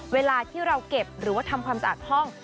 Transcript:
เวลาที่เราเก็บหรือว่าทำความสะอาดห้อง